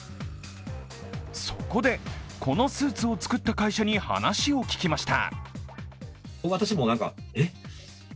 そこで、このスーツを作った会社に話を聞きました。